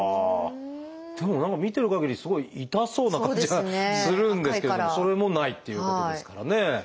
でも何か見てるかぎりすごい痛そうな感じがするんですけどもそれもないっていうことですからね。